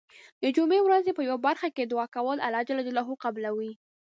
د جمعې ورځې په یو برخه کې دعا کول الله ج قبلوی .